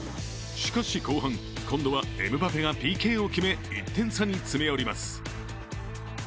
しかし後半、今度はエムバペがＰＫを決め１点差に詰め寄ります。